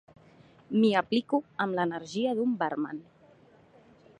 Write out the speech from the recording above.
M'hi aplico amb l'energia d'un bàrman.